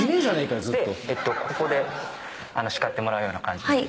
でここで叱ってもらうような感じに。